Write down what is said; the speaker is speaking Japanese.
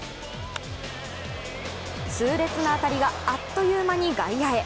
痛烈な当たりがあっという間に外野へ。